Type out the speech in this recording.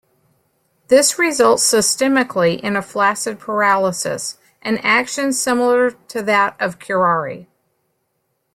This results, systemically, in a flaccid paralysis, an action similar to that of curare.